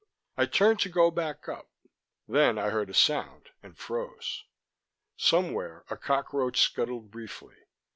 I turned to go back up. Then I heard a sound and froze. Somewhere a cockroach scuttled briefly.